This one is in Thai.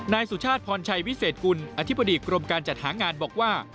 นายสุชาติพรชัยวิเศษกุลอธิบดีกรมการจัดหางานบอกว่า